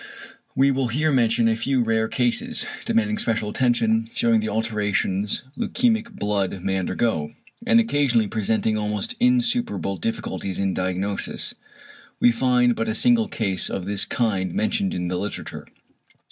We will here mention a few rare cases, demanding special attention, shewing the alterations leukæmic blood may undergo, and occasionally presenting almost insuperable difficulties in diagnosis. We find but a single case of this kind mentioned in the literature.